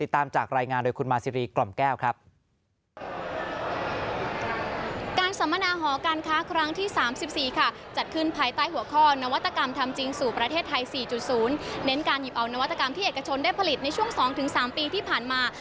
การหยิบเอานวัตกรรมที่เอกชนได้ผลิตในช่วง๒๓ปีที่ผ่านมา